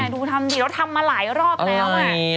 ดูทำดิเราทำมาหลายรอบแล้ว